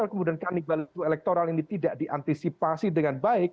kemudian kanibalisme elektoral ini tidak diantisipasi dengan baik